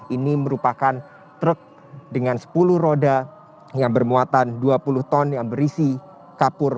ini merupakan truk dengan sepuluh roda yang bermuatan dua puluh ton yang berisi kapur